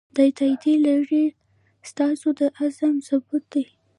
د تایید لړۍ ستاسو د عزم ثبوت دی.